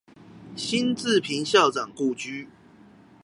辛志平校長故居